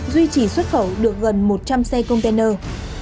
duy trì xuất khẩu được gần một trăm linh xe container